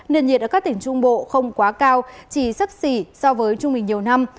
nền nhiệt ở các tỉnh trung bộ không quá cao chỉ sấp xỉ so với trung bình nhiều năm